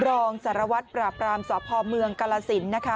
รองสารวัตรปราบรามสพเมืองกาลสินนะคะ